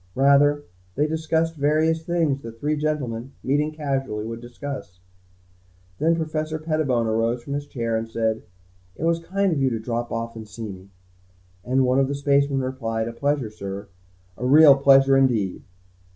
Rather, they discussed various things, that three gentlemen, meeting casually, would discuss. Then Professor Pettibone arose from his chair and said, "It was kind of you to drop off and see me." And one of the spacemen replied, "A pleasure, sir. A real pleasure indeed."